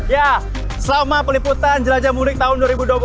ya selama peliputan jelajah mudik tahun dua ribu dua puluh dua